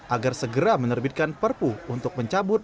agar segera menerbitkan perpu untuk mencabut